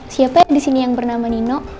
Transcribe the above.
siapa yang disini yang bernama nino